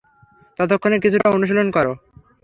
ততক্ষণে কিছুটা অনুশীলন করো।